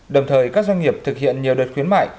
đồng thời các doanh nghiệp thực hiện nhiều đợt khuyến mại